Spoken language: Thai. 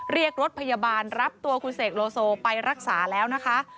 เรียกรถพยาบาลรับตัวคุณเสกโลโซไปรักษาแล้วนะคะ